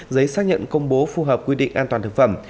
giấy xác nhận công bố phù hợp quy định an toàn thực phẩm